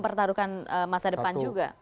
pertaruhkan masa depan juga